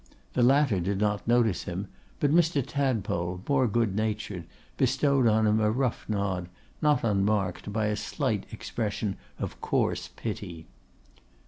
The latter did not notice him, but Mr. Tadpole, more good natured, bestowed on him a rough nod, not unmarked by a slight expression of coarse pity.